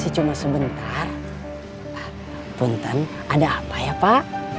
cuma sebentar punten ada apa ya pak